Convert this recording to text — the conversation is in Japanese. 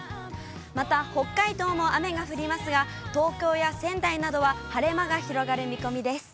また北海道も雨が降りますが、東京や仙台などは晴れ間が広がる見込みです。